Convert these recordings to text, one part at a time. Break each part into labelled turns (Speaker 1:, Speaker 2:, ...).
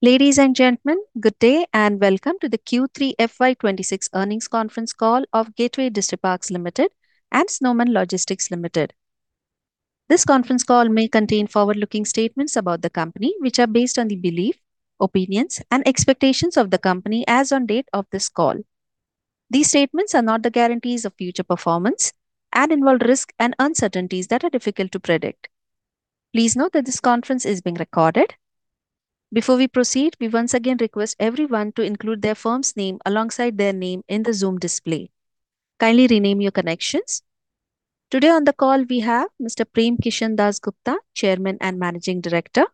Speaker 1: Ladies and gentlemen, good day and welcome to the Q3 FY26 Earnings Conference Call of Gateway Distriparks Limited and Snowman Logistics Limited. This conference call may contain forward-looking statements about the company, which are based on the belief, opinions, and expectations of the company as on date of this call. These statements are not the guarantees of future performance and involve risk and uncertainties that are difficult to predict. Please note that this conference is being recorded. Before we proceed, we once again request everyone to include their firm's name alongside their name in the Zoom display. Kindly rename your connections. Today on the call, we have Mr. Prem Kishan Dass Gupta, Chairman and Managing Director.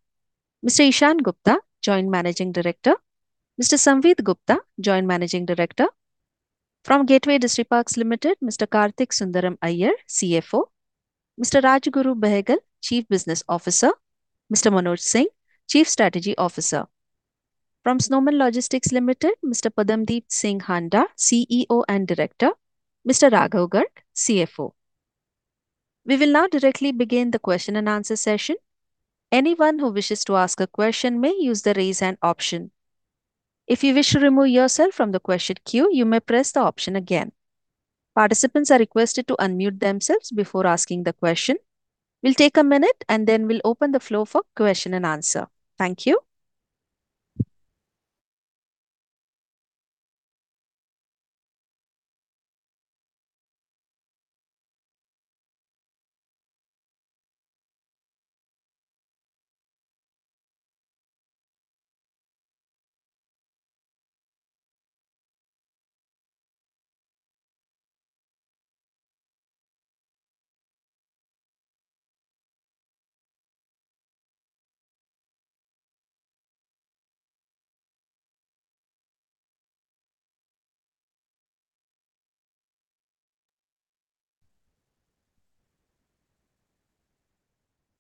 Speaker 1: Mr. Ishaan Gupta, Joint Managing Director. Mr. Samvid Gupta, Joint Managing Director. From Gateway Distriparks Limited, Mr. Karthik Sundaram Iyer, CFO. Mr. Rajguru Behgal, Chief Business Officer. Mr. Manoj Singh, Chief Strategy Officer. From Snowman Logistics Limited, Mr. Padamdeep Singh Handa, CEO and Director. Mr. Raghav Garg, CFO. We will now directly begin the question and answer session. Anyone who wishes to ask a question may use the raise hand option. If you wish to remove yourself from the question queue, you may press the option again. Participants are requested to unmute themselves before asking the question. We'll take a minute, and then we'll open the floor for question and answer. Thank you.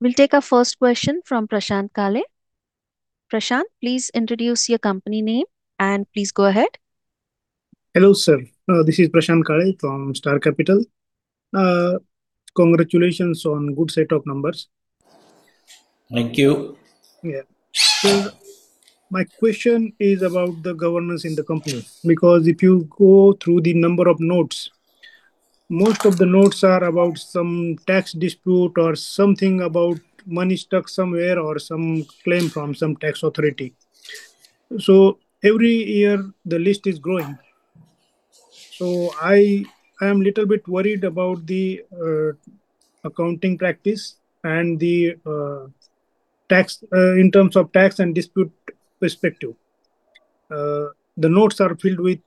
Speaker 1: We'll take our first question from Prashant Kale. Prashant, please introduce your company name and please go ahead.
Speaker 2: Hello sir, this is Prashant Kale from Star Capital. Congratulations on a good set of numbers.
Speaker 3: Thank you.
Speaker 2: Yeah, so my question is about the governance in the company because if you go through the number of notes, most of the notes are about some tax dispute or something about money stuck somewhere or some claim from some tax authority. So every year the list is growing. So I am a little bit worried about the accounting practice and in terms of tax and dispute perspective. The notes are filled with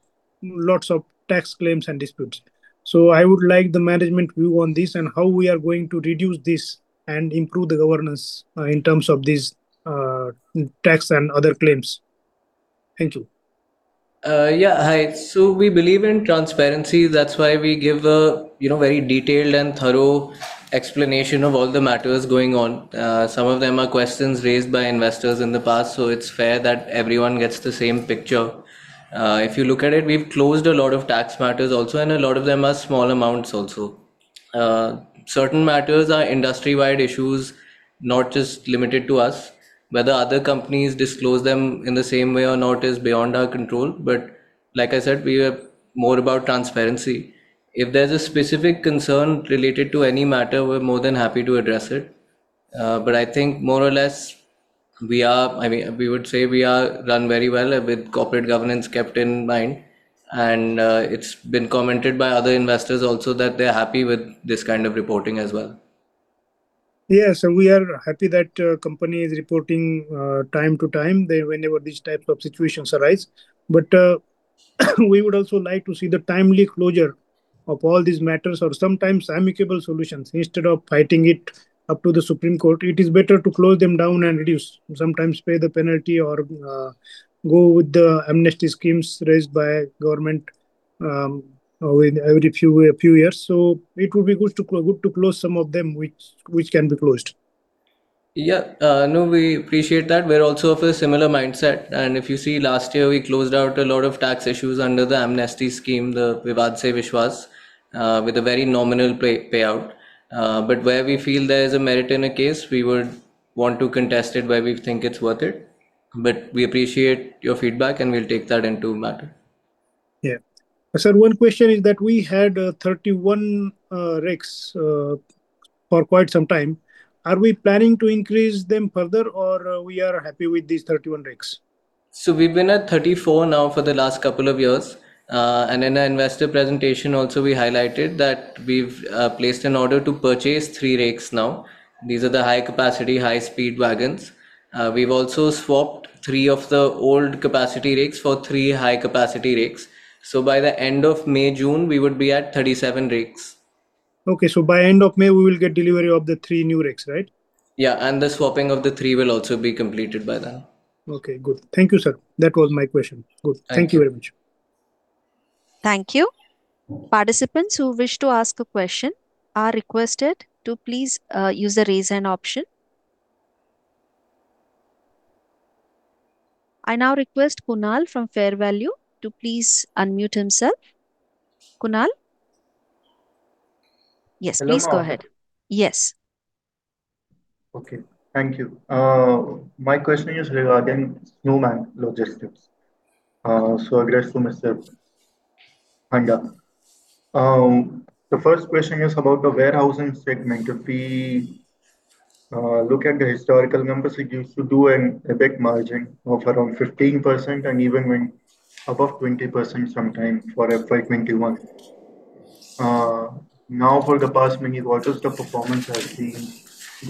Speaker 2: lots of tax claims and disputes. So I would like the management view on this and how we are going to reduce this and improve the governance in terms of these tax and other claims. Thank you.
Speaker 3: Yeah, hi. So we believe in transparency. That's why we give a very detailed and thorough explanation of all the matters going on. Some of them are questions raised by investors in the past, so it's fair that everyone gets the same picture. If you look at it, we've closed a lot of tax matters also, and a lot of them are small amounts also. Certain matters are industry-wide issues, not just limited to us. Whether other companies disclose them in the same way or not is beyond our control. But like I said, we are more about transparency. If there's a specific concern related to any matter, we're more than happy to address it. But I think more or less we are I mean, we would say we are run very well with corporate governance kept in mind. It's been commented by other investors also that they're happy with this kind of reporting as well.
Speaker 2: Yeah, so we are happy that the company is reporting time to time whenever these types of situations arise. But we would also like to see the timely closure of all these matters or sometimes amicable solutions. Instead of fighting it up to the Supreme Court, it is better to close them down and reduce. Sometimes pay the penalty or go with the amnesty schemes raised by government every few years. So it would be good to close some of them, which can be closed.
Speaker 3: Yeah, no, we appreciate that. We're also of a similar mindset. If you see last year we closed out a lot of tax issues under the amnesty scheme, the Vivad se Vishwas, with a very nominal payout. But where we feel there is a merit in a case, we would want to contest it where we think it's worth it. We appreciate your feedback, and we'll take that into matter.
Speaker 2: Yeah. Sir, one question is that we had 31 rakes for quite some time. Are we planning to increase them further, or we are happy with these 31 rakes?
Speaker 3: We've been at 34 now for the last couple of years. In an investor presentation also, we highlighted that we've placed an order to purchase 3 rakes now. These are the high-capacity, high-speed wagons. We've also swapped 3 of the old capacity rakes for 3 high-capacity rakes. By the end of May, June, we would be at 37 rakes.
Speaker 2: OK, so by end of May, we will get delivery of the three new rakes, right?
Speaker 3: Yeah, and the swapping of the three will also be completed by then.
Speaker 2: OK, good. Thank you, sir. That was my question. Good. Thank you very much.
Speaker 1: Thank you. Participants who wish to ask a question are requested to please use the raise hand option. I now request Kunal from Fair Value to please unmute himself. Kunal? Yes, please go ahead. Yes.
Speaker 4: OK, thank you. My question is regarding Snowman Logistics. So address to Mr. Handa. The first question is about the warehousing segment. If we look at the historical numbers, it used to do an EBIT margin of around 15% and even went above 20% sometime for FY21. Now, for the past many quarters, the performance has been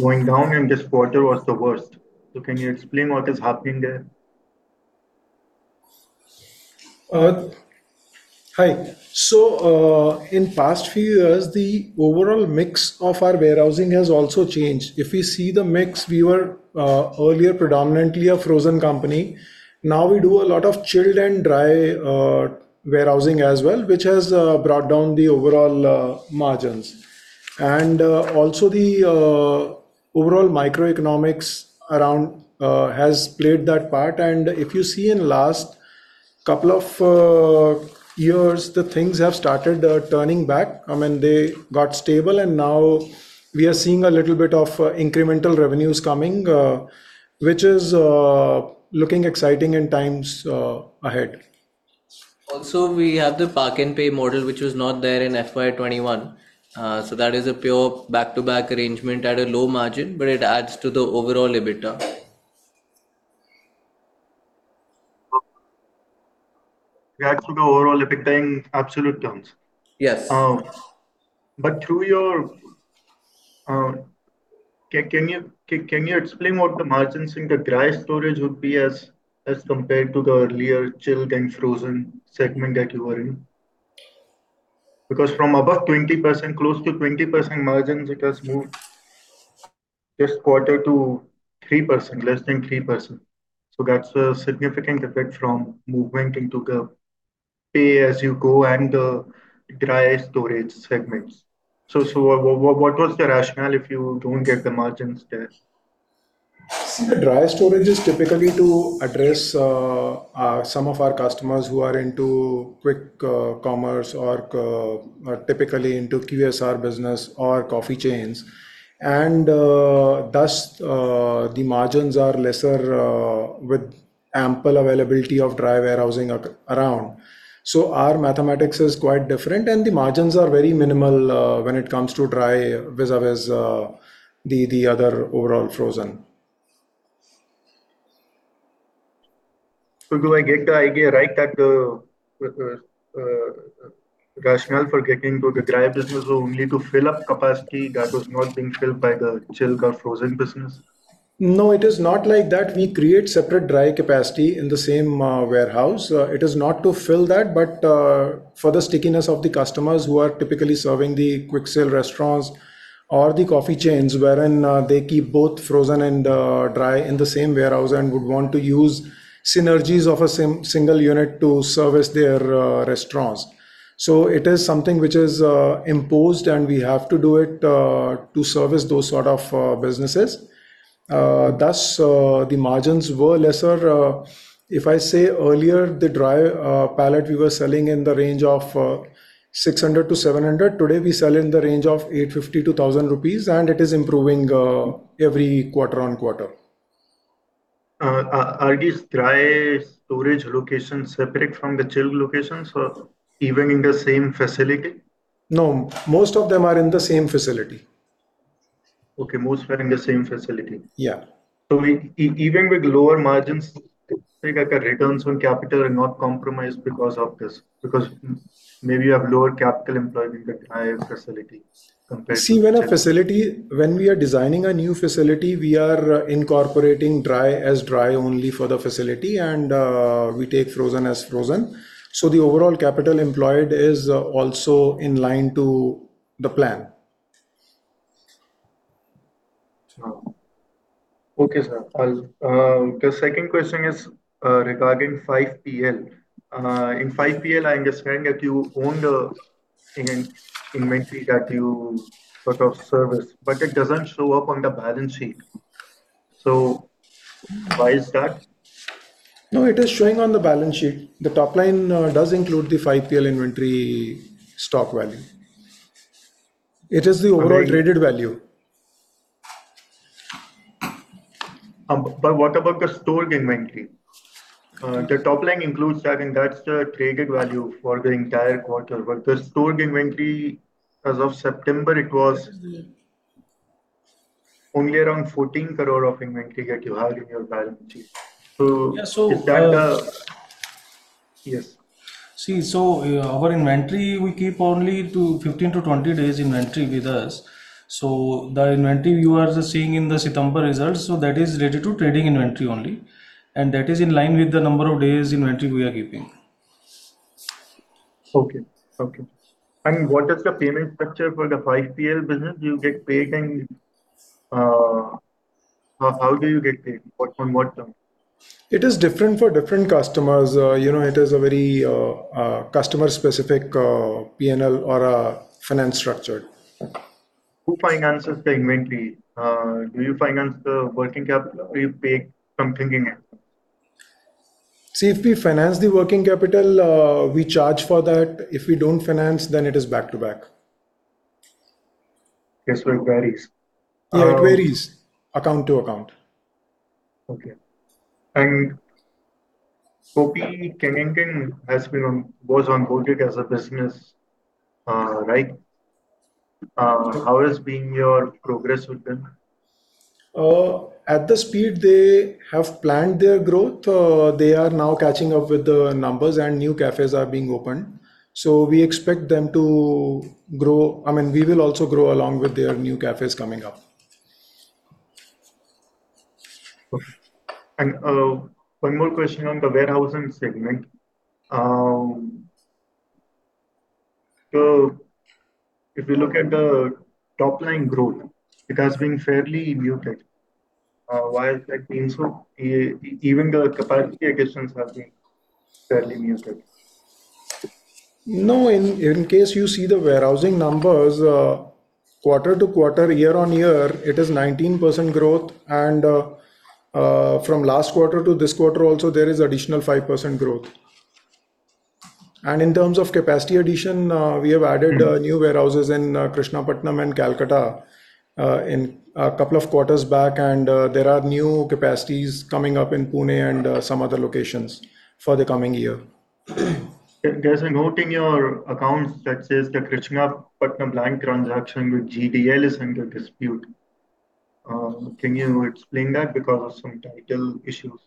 Speaker 4: going down, and this quarter was the worst. So can you explain what is happening there?
Speaker 5: Hi. So in the past few years, the overall mix of our warehousing has also changed. If you see the mix, we were earlier predominantly a frozen company. Now we do a lot of chilled and dry warehousing as well, which has brought down the overall margins. And also the overall microeconomics has played that part. And if you see in the last couple of years, the things have started turning PAT. I mean, they got stable, and now we are seeing a little bit of incremental revenues coming, which is looking exciting in times ahead.
Speaker 3: Also, we have the Park and Pay model, which was not there in FY21. So that is a pure back-to-back arrangement at a low margin, but it adds to the overall EBITDA.
Speaker 4: It adds to the overall EBITDA in absolute terms?
Speaker 3: Yes.
Speaker 4: But sir, can you explain what the margins in the dry storage would be as compared to the earlier chilled and frozen segment that you were in? Because from above 20%, close to 20% margins, it has moved this quarter to 3%, less than 3%. So that's a significant effect from movement into the pay-as-you-go and the dry storage segments. So what was the rationale if you don't get the margins there?
Speaker 5: See, the dry storage is typically to address some of our customers who are into quick commerce or typically into QSR business or coffee chains. And thus, the margins are lesser with ample availability of dry warehousing around. So our mathematics is quite different, and the margins are very minimal when it comes to dry vis-à-vis the other overall frozen.
Speaker 4: So do I get the idea right that the rationale for getting to the dry business was only to fill up capacity that was not being filled by the chilled or frozen business?
Speaker 5: No, it is not like that. We create separate dry capacity in the same warehouse. It is not to fill that, but for the stickiness of the customers who are typically serving the quick-sell restaurants or the coffee chains wherein they keep both frozen and dry in the same warehouse and would want to use synergies of a single unit to service their restaurants. So it is something which is imposed, and we have to do it to service those sort of businesses. Thus, the margins were lesser. If I say earlier, the dry pallet we were selling in the range of 600-700, today we sell in the range of 850-1,000 rupees, and it is improving every quarter-over-quarter.
Speaker 4: Are these dry storage locations separate from the chilled locations or even in the same facility?
Speaker 5: No, most of them are in the same facility.
Speaker 4: OK, most are in the same facility.
Speaker 5: Yeah.
Speaker 4: So even with lower margins, it's like the returns on capital are not compromised because of this? Because maybe you have lower capital employed in the dry facility compared to.
Speaker 5: See, when we are designing a new facility, we are incorporating dry as dry only for the facility, and we take frozen as frozen. So the overall capital employed is also in line to the plan.
Speaker 4: OK, sir. The second question is regarding 5PL. In 5PL, I understand that you own the inventory that you sort of service, but it doesn't show up on the balance sheet. So why is that?
Speaker 5: No, it is showing on the balance sheet. The top line does include the 5PL inventory stock value. It is the overall traded value.
Speaker 4: But what about the stored inventory? The top line includes that, and that's the traded value for the entire quarter. But the stored inventory as of September, it was only around 14 crore of inventory that you have in your balance sheet. So is that the yes.
Speaker 6: See, so our inventory, we keep only 15-20 days inventory with us. So the inventory you are seeing in the September results, so that is related to trading inventory only. And that is in line with the number of days inventory we are keeping.
Speaker 4: OK, OK. And what is the payment structure for the 5PL business? You get paid, and how do you get paid? On what terms?
Speaker 5: It is different for different customers. It is a very customer-specific P&L or a finance structure.
Speaker 4: Who finances the inventory? Do you finance the working capital, or you pay from thinking it?
Speaker 5: See, if we finance the working capital, we charge for that. If we don't finance, then it is back-to-back.
Speaker 4: Yes, so it varies.
Speaker 5: Yeah, it varies account to account.
Speaker 4: OK. Kopi Kenangan was onboarded as a business, right? How has been your progress with them?
Speaker 5: At the speed they have planned their growth, they are now catching up with the numbers, and new cafes are being opened. So we expect them to grow I mean, we will also grow along with their new cafes coming up.
Speaker 4: One more question on the warehousing segment. If we look at the top line growth, it has been fairly muted. Why is that being so? Even the capacity additions have been fairly muted.
Speaker 5: No, in case you see the warehousing numbers, quarter-to-quarter, year-on-year, it is 19% growth. From last quarter to this quarter also, there is additional 5% growth. In terms of capacity addition, we have added new warehouses in Krishnapatnam and Calcutta a couple of quarters back. There are new capacities coming up in Pune and some other locations for the coming year.
Speaker 4: There's a note in your account that says the Krishnapatnam land transaction with GDL is under dispute. Can you explain that because of some title issues?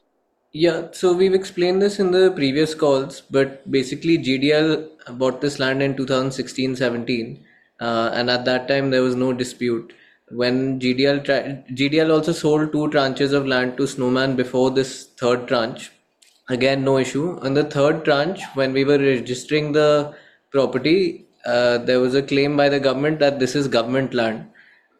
Speaker 3: Yeah, so we've explained this in the previous calls. But basically, GDL bought this land in 2016-17, and at that time, there was no dispute. GDL also sold two tranches of land to Snowman before this third tranche. Again, no issue. On the third tranche, when we were registering the property, there was a claim by the government that this is government land.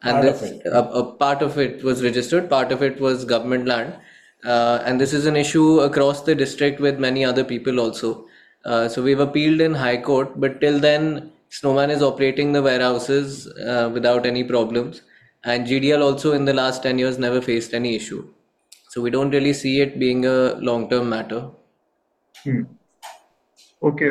Speaker 3: And part of it was registered, part of it was government land. And this is an issue across the district with many other people also. So we've appealed in High Court. But till then, Snowman is operating the warehouses without any problems. And GDL also, in the last 10 years, never faced any issue. So we don't really see it being a long-term matter.
Speaker 4: OK,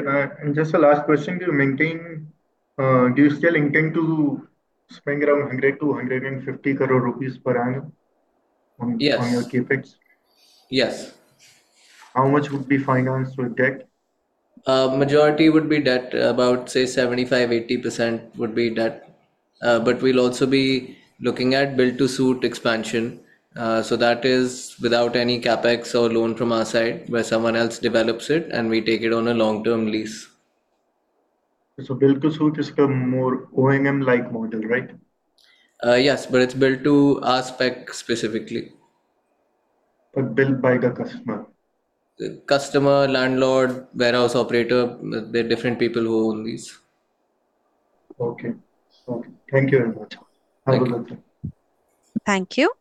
Speaker 4: just a last question. Do you still intend to spend around 100 crore-150 crore rupees per annum on your CapEx?
Speaker 3: Yes.
Speaker 4: How much would be financed with debt?
Speaker 3: Majority would be debt. About, say, 75%-80% would be debt. But we'll also be looking at Build to Suit expansion. So that is without any CapEx or loan from our side, where someone else develops it, and we take it on a long-term lease.
Speaker 4: Build to Suit is the more O&M like model, right?
Speaker 3: Yes, but it's built to our spec specifically.
Speaker 4: But built by the customer?
Speaker 3: Customer, landlord, warehouse operator, there are different people who own these.
Speaker 4: OK, OK. Thank you very much. Have a good day.
Speaker 1: Thank you.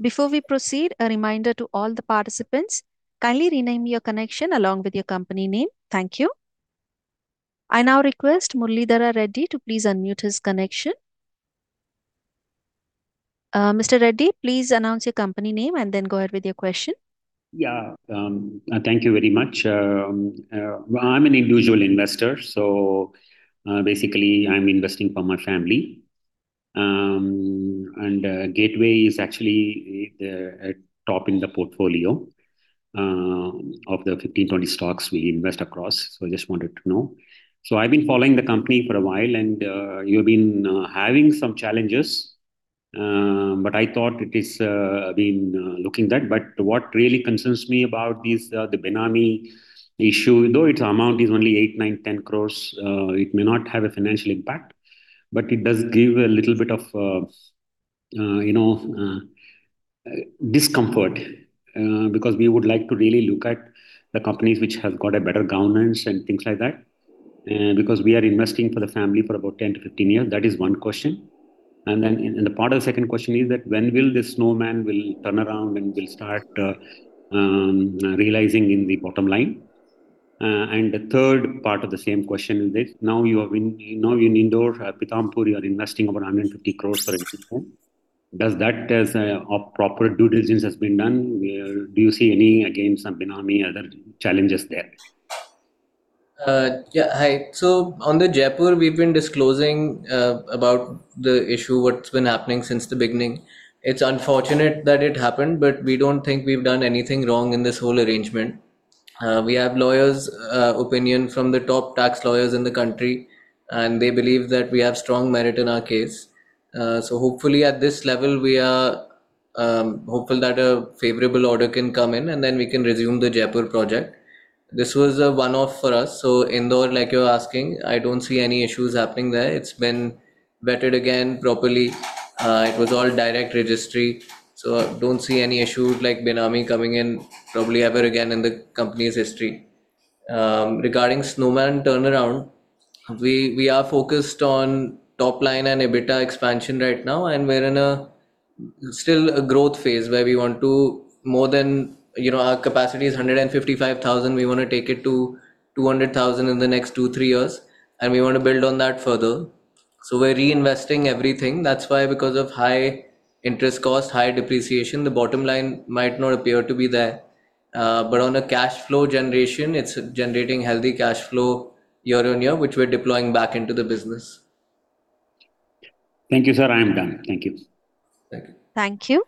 Speaker 1: Before we proceed, a reminder to all the participants: kindly rename your connection along with your company name. Thank you. I now request Muralidhara Reddy to please unmute his connection. Mr. Reddy, please announce your company name and then go ahead with your question.
Speaker 7: Yeah, thank you very much. I'm an individual investor. So basically, I'm investing for my family. And Gateway is actually at the top in the portfolio of the 15-20 stocks we invest across. So I just wanted to know. So I've been following the company for a while, and you have been having some challenges. But I thought it has been looking at that. But what really concerns me about this, the Benami issue, though its amount is only 8-10 crores, it may not have a financial impact. But it does give a little bit of discomfort because we would like to really look at the companies which have got a better governance and things like that. Because we are investing for the family for about 10-15 years, that is one question. Then part of the second question is that when will this Snowman turn around and will start realizing in the bottom line? The third part of the same question is this. Now you have been now in Indore, Pithampur, you are investing over 150 crores for existence. Does that, as proper due diligence has been done, do you see any, again, some Benami other challenges there?
Speaker 3: Yeah, hi. So on the Jaipur, we've been disclosing about the issue, what's been happening since the beginning. It's unfortunate that it happened, but we don't think we've done anything wrong in this whole arrangement. We have lawyers' opinions from the top tax lawyers in the country, and they believe that we have strong merit in our case. So hopefully, at this level, we are hopeful that a favorable order can come in, and then we can resume the Jaipur project. This was a one-off for us. So Indore, like you're asking, I don't see any issues happening there. It's been vetted again properly. It was all direct registry. So I don't see any issue like Benami coming in probably ever again in the company's history. Regarding Snowman turnaround, we are focused on top line and EBITDA expansion right now. We're still in a growth phase where we want to more than our capacity is 155,000. We want to take it to 200,000 in the next 2-3 years. We want to build on that further. We're reinvesting everything. That's why, because of high interest cost, high depreciation, the bottom line might not appear to be there. On a cash flow generation, it's generating healthy cash flow year on year, which we're deploying back into the business.
Speaker 7: Thank you, sir. I am done. Thank you.
Speaker 3: Thank you.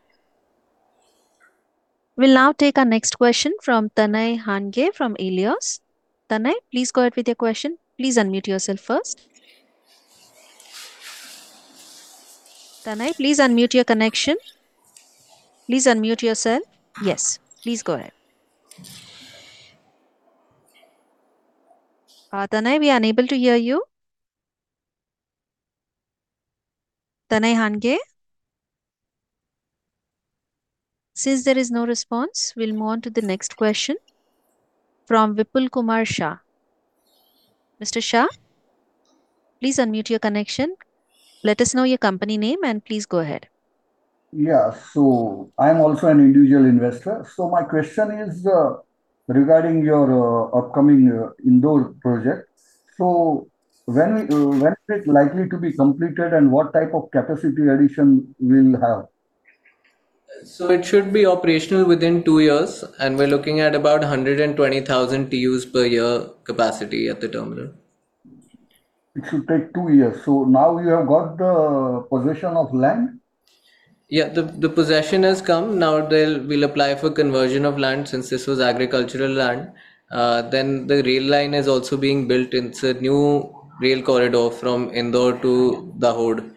Speaker 1: Thank you. We'll now take our next question from Tanay Hange from Elios. Tanay, please go ahead with your question. Please unmute yourself first. Tanay, please unmute your connection. Please unmute yourself. Yes, please go ahead. Tanay, we are unable to hear you. Tanay Hange? Since there is no response, we'll move on to the next question from Vipul Kumar Shah. Mr. Shah, please unmute your connection. Let us know your company name, and please go ahead.
Speaker 8: Yeah, so I'm also an individual investor. My question is regarding your upcoming Indore project. When is it likely to be completed, and what type of capacity addition will it have?
Speaker 3: It should be operational within two years. We're looking at about 120,000 TEUs per year capacity at the terminal.
Speaker 8: It should take 2 years. So now you have got the possession of land?
Speaker 3: Yeah, the possession has come. Now we'll apply for conversion of land since this was agricultural land. Then the rail line is also being built into a new rail corridor from Indore to Dahod,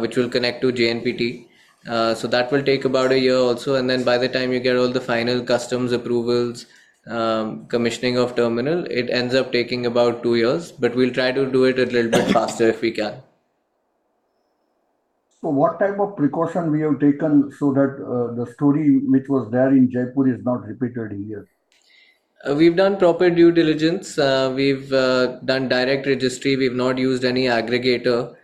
Speaker 3: which will connect to JNPT. So that will take about a year also. And then by the time you get all the final customs approvals, commissioning of terminal, it ends up taking about two years. But we'll try to do it a little bit faster if we can.
Speaker 8: What type of precaution have you taken so that the story which was there in Jaipur is not repeated here?
Speaker 3: We've done proper due diligence. We've done direct registry. We've not used any aggregator.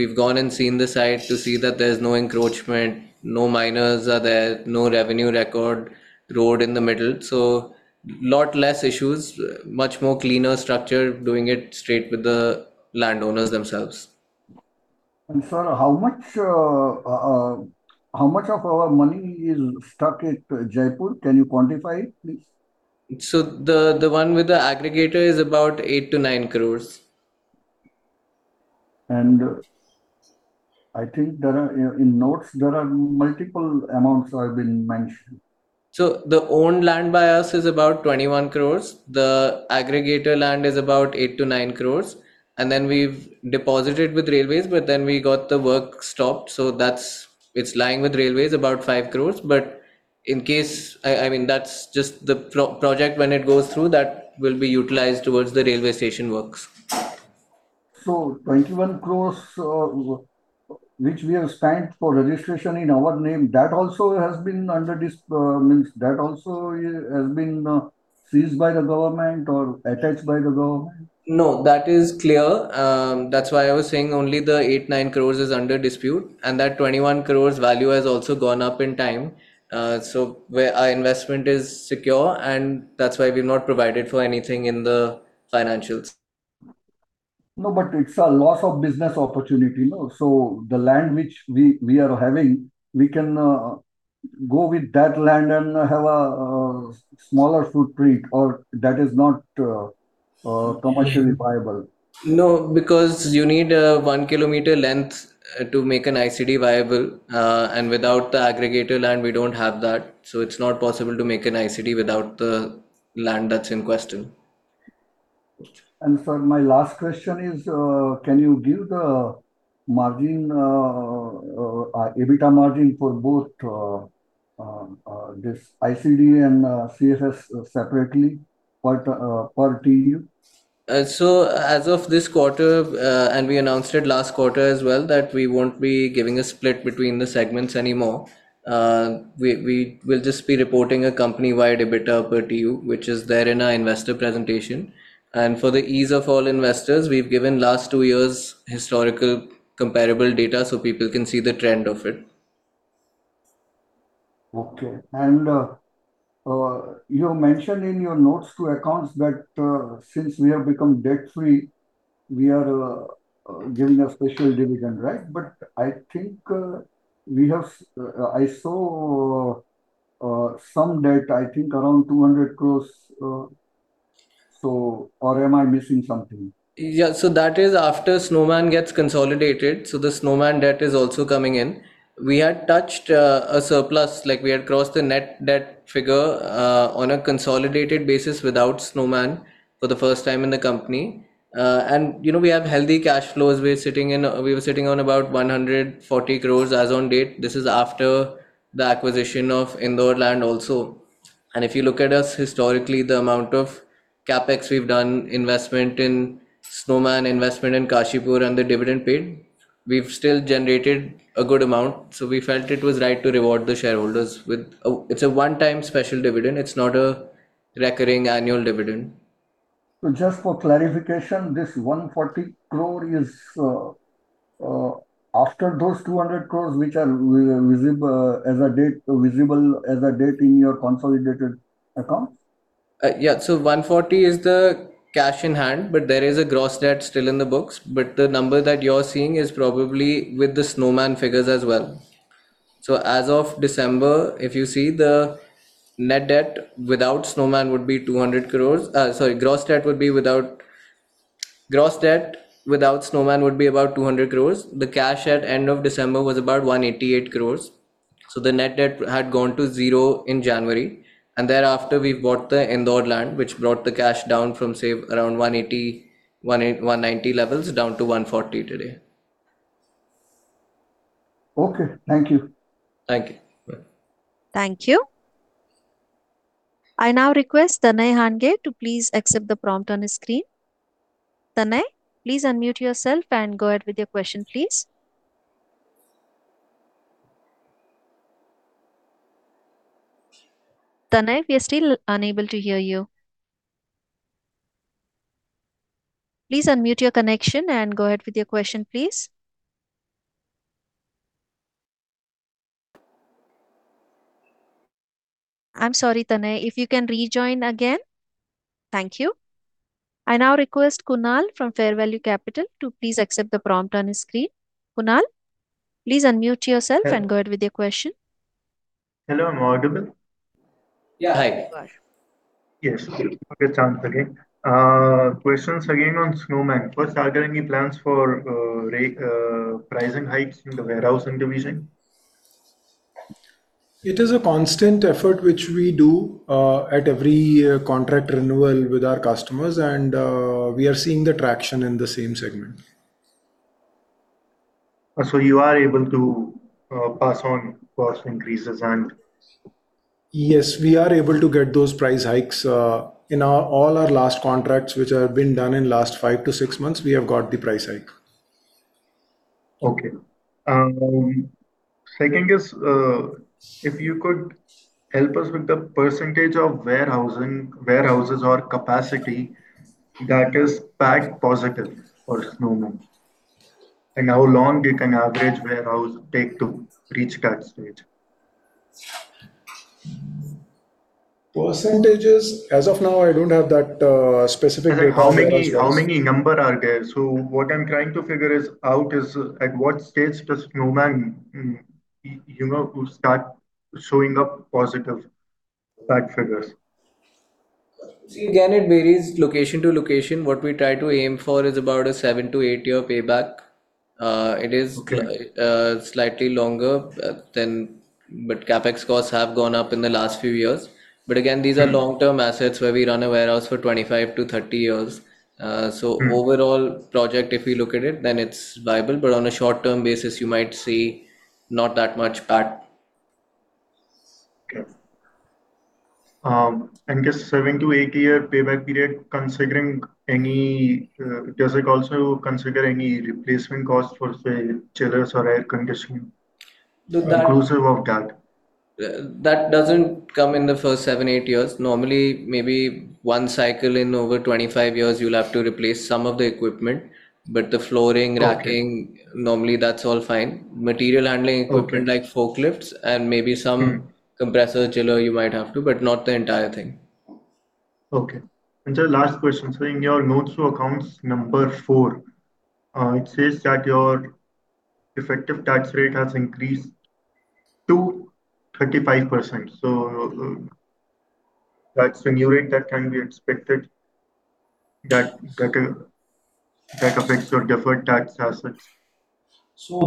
Speaker 3: We've gone and seen the site to see that there's no encroachment, no miners are there, no revenue record road in the middle. So a lot less issues, much more cleaner structure, doing it straight with the landowners themselves.
Speaker 8: Sir, how much of our money is stuck at Jaipur? Can you quantify it, please?
Speaker 3: The one with the aggregator is about 8 crore-9 crore.
Speaker 8: I think in notes, there are multiple amounts that have been mentioned.
Speaker 3: So the owned land by us is about 21 crores. The aggregator land is about 8-9 crores. And then we've deposited with railways. But then we got the work stopped. So it's lying with railways, about 5 crores. But in case I mean, that's just the project. When it goes through, that will be utilized towards the railway station works.
Speaker 8: 21 crore, which we have spent for registration in our name, that also has been under Benami, seized by the government or attached by the government?
Speaker 3: No, that is clear. That's why I was saying only the 8-9 crores is under dispute. That 21 crores value has also gone up in time. Our investment is secure. That's why we've not provided for anything in the financials.
Speaker 8: No, but it's a loss of business opportunity. So the land which we are having, we can go with that land and have a smaller footprint, or that is not commercially viable.
Speaker 3: No, because you need a 1-kilometer length to make an ICD viable. Without the aggregator land, we don't have that. It's not possible to make an ICD without the land that's in question.
Speaker 8: Sir, my last question is, can you give the margin, EBITDA margin for both this ICD and CFS separately per TEU?
Speaker 3: As of this quarter, and we announced it last quarter as well, that we won't be giving a split between the segments anymore. We will just be reporting a company-wide EBITDA per TEU, which is there in our investor presentation. For the ease of all investors, we've given last two years' historical comparable data so people can see the trend of it.
Speaker 8: OK, and you mentioned in your notes to accounts that since we have become debt-free, we are giving a special dividend, right? But I think we have I saw some debt, I think, around 200 crore. So or am I missing something?
Speaker 3: Yeah, so that is after Snowman gets consolidated. So the Snowman debt is also coming in. We had touched a surplus. We had crossed the net debt figure on a consolidated basis without Snowman for the first time in the company. And we have healthy cash flows. We were sitting on about 140 crore as on date. This is after the acquisition of Indore land also. And if you look at us historically, the amount of CapEx we've done, investment in Snowman, investment in Kashipur, and the dividend paid, we've still generated a good amount. So we felt it was right to reward the shareholders with it's a one-time special dividend. It's not a recurring annual dividend.
Speaker 8: Just for clarification, this 140 crore is after those 200 crore, which are visible as a debt in your consolidated accounts?
Speaker 3: Yeah, so 140 crore is the cash in hand. But there is a gross debt still in the books. But the number that you're seeing is probably with the Snowman figures as well. So as of December, if you see, the net debt without Snowman would be 200 crore. Sorry, gross debt would be without gross debt without Snowman would be about 200 crore. The cash at the end of December was about 188 crore. So the net debt had gone to 0 in January. And thereafter, we've bought the Indore land, which brought the cash down from, say, around 180-190 levels down to 140 crore today.
Speaker 8: OK, thank you.
Speaker 3: Thank you.
Speaker 1: Thank you. I now request Tanay Hange to please accept the prompt on the screen. Tanay, please unmute yourself and go ahead with your question, please. Tanay, we are still unable to hear you. Please unmute your connection and go ahead with your question, please. I'm sorry, Tanay. If you can rejoin again, thank you. I now request Kunal from Fair Value Capital to please accept the prompt on the screen. Kunal, please unmute yourself and go ahead with your question.
Speaker 4: Hello, am I audible?
Speaker 3: Yeah, hi.
Speaker 4: Yes, I can hear you again. Questions again on Snowman. First, are there any plans for pricing hikes in the warehouse division?
Speaker 5: It is a constant effort, which we do at every contract renewal with our customers. We are seeing the traction in the same segment.
Speaker 4: You are able to pass on cost increases and.
Speaker 5: Yes, we are able to get those price hikes. In all our last contracts, which have been done in the last 5-6 months, we have got the price hike.
Speaker 4: OK, second is, if you could help us with the percentage of warehouses or capacity that is PAT positive for Snowman, and how long it can average warehouse take to reach that stage?
Speaker 5: Percentages? As of now, I don't have that specific.
Speaker 4: How many number are there? So what I'm trying to figure out is, at what stage does Snowman start showing up positive back figures?
Speaker 3: So again, it varies location to location. What we try to aim for is about a seven-to eight-year payback. It is slightly longer, but CapEx costs have gone up in the last few years. But again, these are long-term assets where we run a warehouse for 25-30 years. So overall project, if you look at it, then it's viable. But on a short-term basis, you might see not that much back.
Speaker 4: OK, and just seven-to eight-year payback period, considering any does it also consider any replacement costs for, say, chillers or air conditioning inclusive of that?
Speaker 3: That doesn't come in the first seven-eight years. Normally, maybe one cycle in over 25 years, you'll have to replace some of the equipment. But the flooring, racking, normally, that's all fine. Material handling equipment, like forklifts, and maybe some compressor chiller, you might have to, but not the entire thing.
Speaker 4: OK, and sir, last question. So in your notes to accounts number four, it says that your effective tax rate has increased to 35%. So that's a new rate that can be expected that affects your deferred tax assets.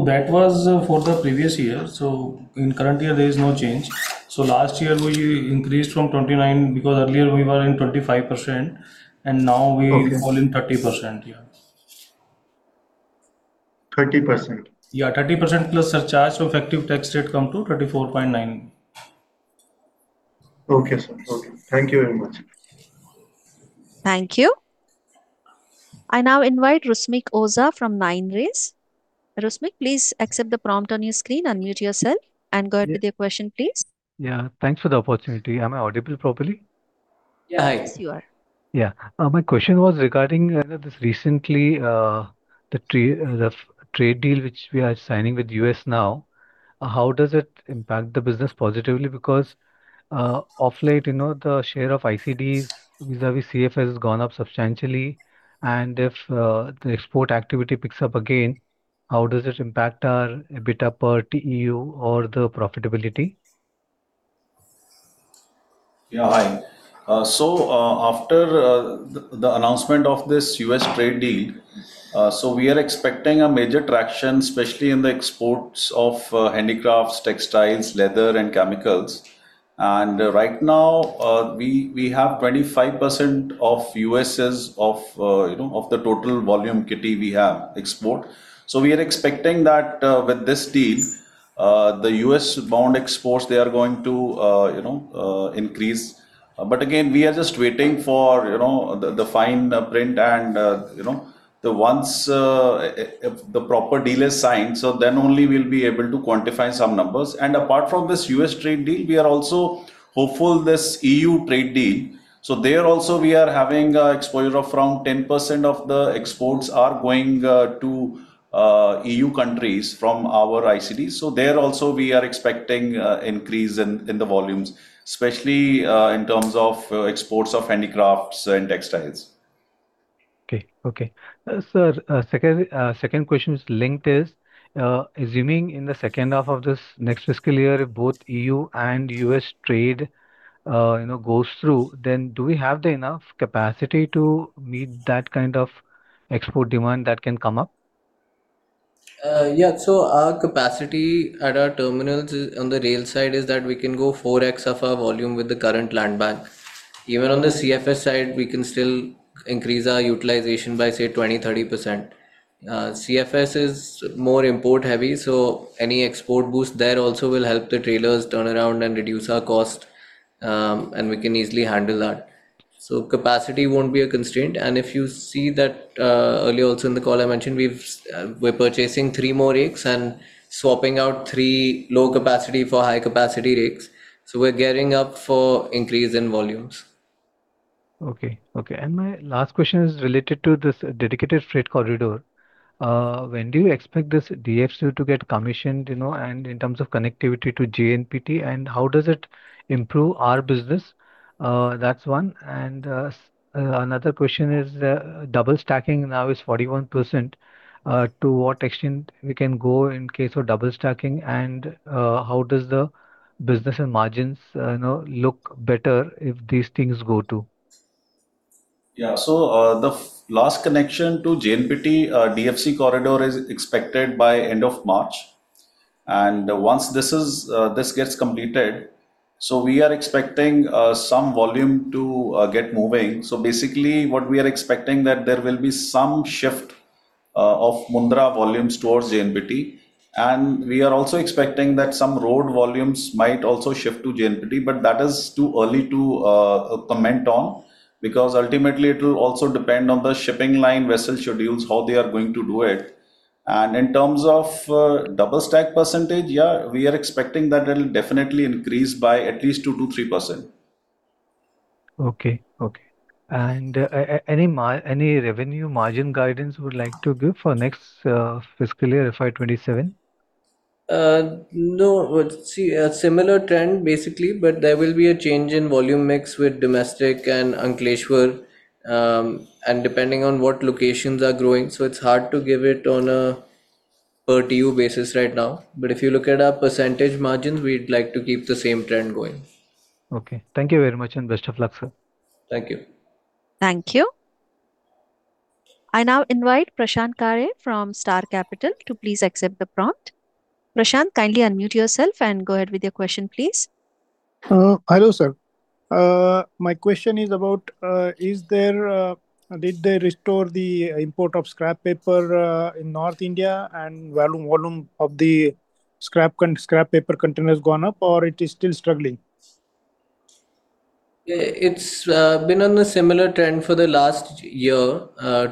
Speaker 6: That was for the previous year. In current year, there is no change. Last year, we increased from 29 because earlier, we were in 25%. And now we fall in 30%.
Speaker 4: 30%?
Speaker 3: Yeah, 30% plus surcharge. So effective tax rate comes to 34.9%.
Speaker 4: OK, sir. OK, thank you very much.
Speaker 1: Thank you. I now invite Rusmik Oza from 9rays. Rusmik, please accept the prompt on your screen, unmute yourself, and go ahead with your question, please.
Speaker 9: Yeah, thanks for the opportunity. Am I audible properly?
Speaker 3: Yeah, hi.
Speaker 9: Yes, you are. Yeah, my question was regarding this recently, the trade deal, which we are signing with the U.S. now. How does it impact the business positively? Because of late, the share of ICDs vis-à-vis CFS, has gone up substantially. And if the export activity picks up again, how does it impact our EBITDA per TEU or the profitability?
Speaker 3: Yeah, hi. So after the announcement of this U.S. trade deal, so we are expecting a major traction, especially in the exports of handicrafts, textiles, leather, and chemicals. And right now, we have 25% of U.S.-bound of the total volume. Currently we have exports. So we are expecting that with this deal, the U.S.-bound exports, they are going to increase. But again, we are just waiting for the fine print. And once the proper deal is signed, so then only we'll be able to quantify some numbers. And apart from this U.S. trade deal, we are also hopeful this E.U. trade deal. So there also, we are having exposure of around 10% of the exports are going to E.U. countries from our ICD. So there also, we are expecting an increase in the volumes, especially in terms of exports of handicrafts and textiles.
Speaker 9: OK, OK. Sir, second question is linked is, assuming in the second half of this next fiscal year, if both EU and U.S. trade goes through, then do we have enough capacity to meet that kind of export demand that can come up?
Speaker 3: Yeah, so our capacity at our terminals on the rail side is that we can go 4x of our volume with the current land bank. Even on the CFS side, we can still increase our utilization by, say, 20%-30%. CFS is more import-heavy. So any export boost there also will help the trailers turn around and reduce our cost. And we can easily handle that. So capacity won't be a constraint. And if you see that earlier also in the call, I mentioned we're purchasing 3 more rakes and swapping out 3 low-capacity for high-capacity rakes. So we're gearing up for an increase in volumes.
Speaker 9: OK, OK. And my last question is related to this dedicated freight corridor. When do you expect this DFC to get commissioned? And in terms of connectivity to JNPT, and how does it improve our business? That's one. And another question is, double stacking now is 41%. To what extent we can go in case of double stacking? And how does the business and margins look better if these things go to?
Speaker 3: Yeah, so the last connection to JNPT, DFC corridor is expected by the end of March. And once this gets completed, so we are expecting some volume to get moving. So basically, what we are expecting is that there will be some shift of Mundra volumes towards JNPT. And we are also expecting that some road volumes might also shift to JNPT. But that is too early to comment on because ultimately, it will also depend on the shipping line vessel schedules, how they are going to do it. And in terms of double stack percentage, yeah, we are expecting that it will definitely increase by at least 2%-3%.
Speaker 9: OK, OK. Any revenue margin guidance you would like to give for next fiscal year, FY27?
Speaker 3: No, similar trend, basically. But there will be a change in volume mix with domestic and Ankleshwar, and depending on what locations are growing. So it's hard to give it on a per TEU basis right now. But if you look at our percentage margins, we'd like to keep the same trend going.
Speaker 9: OK, thank you very much, and best of luck, sir.
Speaker 3: Thank you.
Speaker 1: Thank you. I now invite Prashant Kale from Star Capital to please accept the prompt. Prashant, kindly unmute yourself and go ahead with your question, please.
Speaker 2: Hello, sir. My question is about, is there did they restore the import of scrap paper in North India? And volume of the scrap paper containers has gone up, or it is still struggling?
Speaker 3: It's been on a similar trend for the last year.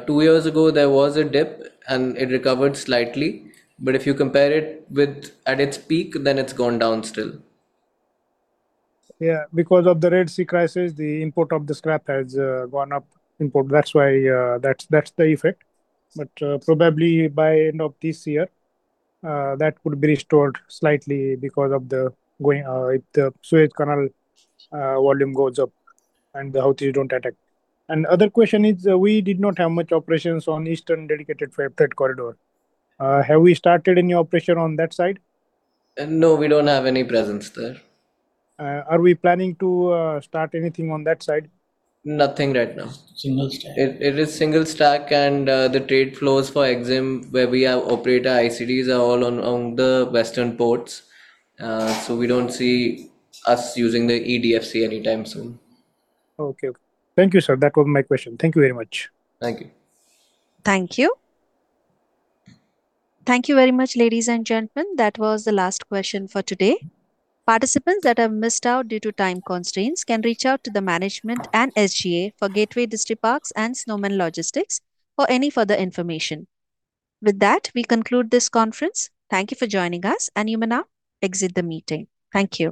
Speaker 3: Two years ago, there was a dip, and it recovered slightly. But if you compare it with at its peak, then it's gone down still.
Speaker 2: Yeah, because of the Red Sea crisis, the import of the scrap has gone up. That's why that's the effect. But probably by the end of this year, that could be restored slightly because of the going if the Suez Canal volume goes up and the Houthis don't attack. And the other question is, we did not have much operations on the Eastern Dedicated Freight Corridor. Have we started any operation on that side?
Speaker 3: No, we don't have any presence there.
Speaker 2: Are we planning to start anything on that side?
Speaker 3: Nothing right now.
Speaker 2: Single stack?
Speaker 3: It is single stack. The trade flows for EXIM, where we operate our ICDs, are all along the western ports. We don't see us using the EDFC anytime soon.
Speaker 2: OK, OK. Thank you, sir. That was my question. Thank you very much.
Speaker 3: Thank you.
Speaker 1: Thank you. Thank you very much, ladies and gentlemen. That was the last question for today. Participants that have missed out due to time constraints can reach out to the management and SGA for Gateway Distriparks and Snowman Logistics for any further information. With that, we conclude this conference. Thank you for joining us. You may now exit the meeting. Thank you.